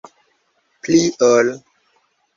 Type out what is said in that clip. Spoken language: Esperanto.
Pli ol.